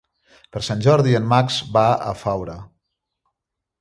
Per Sant Jordi en Max va a Faura.